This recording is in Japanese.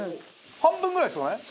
半分ぐらいですよね？